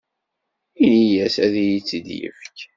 Ini-as ad iyi-tt-id-yefk.